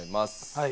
はい。